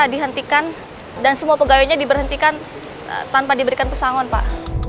dihentikan dan semua pegawainya diberhentikan tanpa diberikan pesangon pak